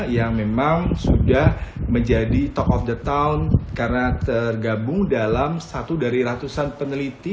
yang memang sudah menjadi talk of the town karena tergabung dalam satu dari ratusan peneliti